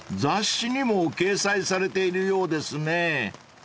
［雑誌にも掲載されているようですね］